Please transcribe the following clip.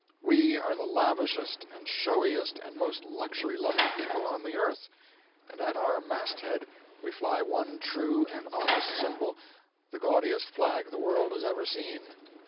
We are the lavishest and showiest and most luxury loving people on the earth; and at our masthead we fly one true and honest symbol, the gaudiest flag the world has ever seen.